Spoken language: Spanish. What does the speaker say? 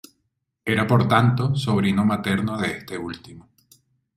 Era por tanto, sobrino materno de este último.